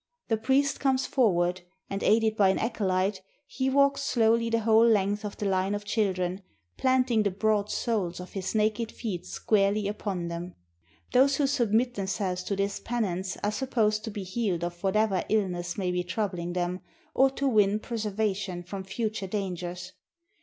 The priest comes forward, and aided by an acolyte, he walks slowly the whole length of the line of children, planting the broad soles of his naked feet squarely upon them. Those who submit themselves to this penance are supposed to be healed of whatever illness may be troubling them, or to win preserva tion from future dangers.